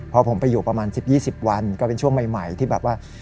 พอผมไปอยู่ประมาณ๑๐๒๐วันก็เป็นช่วงใหม่ที่แบบว่า